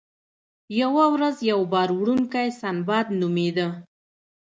یوه ورځ یو بار وړونکی سنباد نومیده.